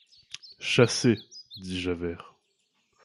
Chassé, dit Javert.